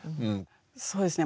そうですね